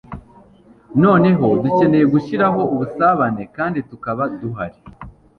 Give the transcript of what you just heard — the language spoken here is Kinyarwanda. noneho dukeneye gushiraho ubusabane kandi tukaba duhari